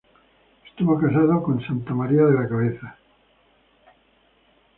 Estuvo casado con Santa María de la Cabeza.